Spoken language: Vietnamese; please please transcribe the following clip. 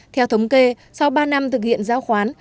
theo thống kê sau ba năm thực hiện giao khoán